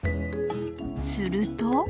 ［すると］